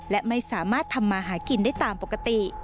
และไม่สามารถทำมาหากินได้ตามปกติ